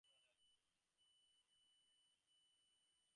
যাহা হউক, সকলের নিকট হইতে তাড়না খাইয়া সংশয়ীর দল থামিয়া গেল।